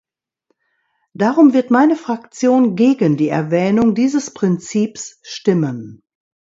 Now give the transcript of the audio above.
Darum wird meine Fraktion gegen die Erwähnung dieses Prinzips stimmen.